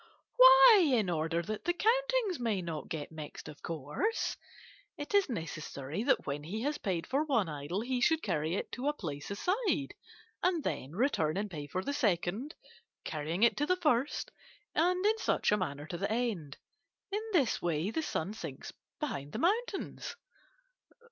"'Why, in order that the countings may not get mixed, of course; it is necessary that when he has paid for one idol he should carry it to a place aside, and then return and pay for the second, carrying it to the first, and in such a manner to the end. In this way the sun sinks behind the mountains.